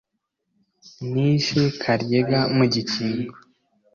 Nishe Karyega mu Gikingo